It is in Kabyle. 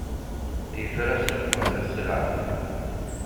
Yefra ssuq, tenza sselɛa.